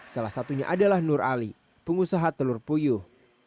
salah satunya adalah nur ali pengusaha telur puyuh